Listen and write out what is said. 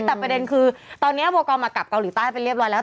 แต่ประเด็นคือตอนนี้โบกอมมากลับเกาหลีใต้ไปเรียบร้อยแล้ว